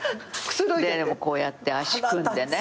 こうやって足組んでね。